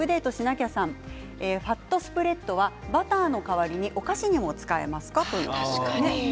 ファットスプレッドはバターの代わりにお菓子に使えますか？